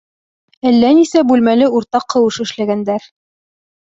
Әллә нисә бүлмәле уртаҡ ҡыуыш эшләгәндәр.